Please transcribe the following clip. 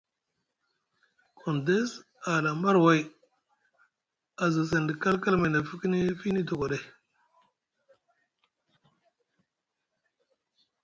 Gondes a hala maray aza seŋ ɗa kalkal may na fiini dogoɗay.